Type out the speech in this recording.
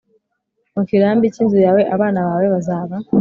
Mu kirambi cy inzu yawe abana bawe bazaba